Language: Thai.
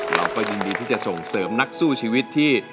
เราก็ยินดีที่จะส่งเสริมนักสู้ชีวิตที่